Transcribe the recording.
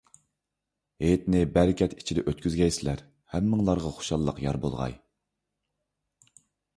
ھېيتنى بەرىكەت ئىچىدە ئۆتكۈزگەيسىلەر، ھەممىڭلارغا خۇشاللىق يار بولغاي.